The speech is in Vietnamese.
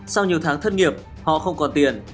sau nhiều tháng thất nghiệp họ không còn tiền